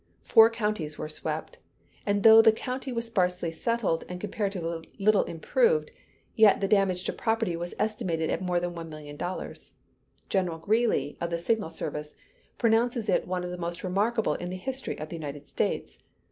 Four counties were swept; and though the country was sparsely settled and comparatively little improved, yet the damage to property was estimated at more than $1,000,000. Gen. Greely, of the Signal Service, pronounces it one of the most remarkable in the history of the United States.